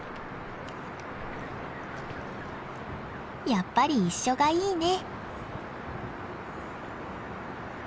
やっぱり一緒がいいね。